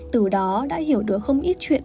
từ đó đã hiểu được không ít chuyện